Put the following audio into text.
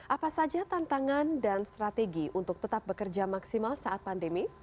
apa saja tantangan dan strategi untuk tetap bekerja maksimal saat pandemi